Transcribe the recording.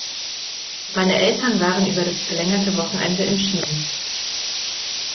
Meine Eltern waren über das verlängerte Wochenende im Schnee.